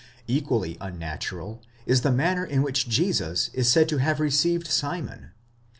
Equally un natural is the manner in which Jesus is said to have received Simon.